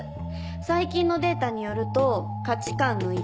最近のデータによると価値観の一致